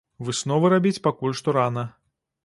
Высновы рабіць пакуль што рана.